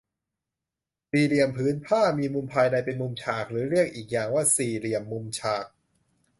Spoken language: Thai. สี่เหลี่ยมผืนผ้า มีมุมภายในเป็นมุมฉาก เรียกอีกอย่างว่าสี่เหลี่ยมมุมฉาก